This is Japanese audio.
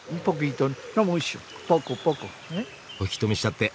お引き止めしちゃって。